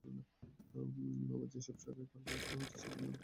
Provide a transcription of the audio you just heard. আবার যেসব ট্রাকে চাল পাঠানো হচ্ছে, সেগুলোর মালিকেরা ভাড়াও নিচ্ছেন দ্বিগুণ।